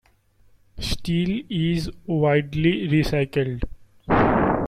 Steel is widely recycled.